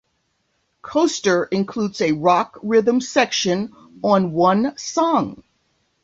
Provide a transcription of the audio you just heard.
"Coaster" includes a rock rhythm section on one song.